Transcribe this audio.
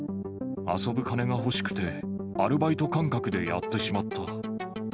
遊ぶ金が欲しくて、アルバイト感覚でやってしまった。